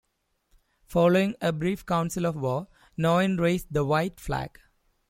Following a brief council of war, Noyan raised the white flag.